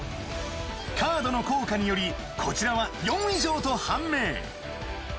カードの効果によりこちらは４以上と判明。